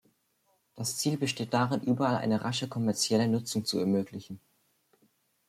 Das Ziel besteht darin, überall eine rasche kommerzielle Nutzung zu ermöglichen.